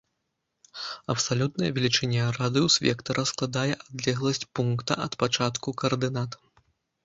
Абсалютная велічыня радыус-вектара складае адлегласць пункта ад пачатку каардынат.